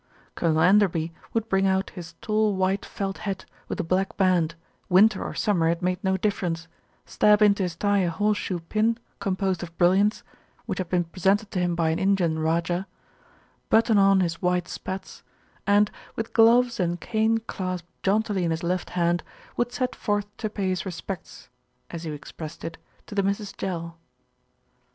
Colonel Enderby would bring out his tall white felt hat with the black band, winter or summer it made no difference, stab into his tie a horse shoe pin com posed of brilliants, which had been presented to him LITTLE BILSTEAD SITS IN JUDGMENT 103 by an Indian rajah, button on his white spats and, with gloves and cane clasped jauntily in his left hand, would set forth to pay his respects, as he expressed it, to the Misses Jell.